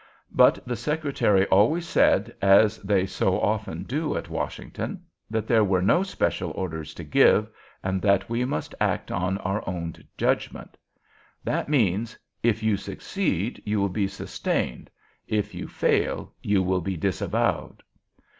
But the Secretary always said, as they so often do at Washington, that there were no special orders to give, and that we must act on our own judgment. That means, "If you succeed, you will be sustained; if you fail, you will be disavowed."